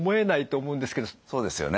そうですよね。